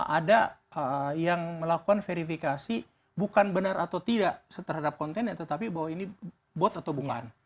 ada yang melakukan verifikasi bukan benar atau tidak terhadap kontennya tetapi bahwa ini bot atau bukan